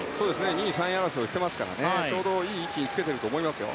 ２位、３位争いをしてますからちょうどいい位置につけていると思いますよ。